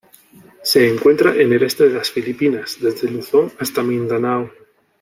Se encuentra en el este de las Filipinas, desde Luzón hasta Mindanao.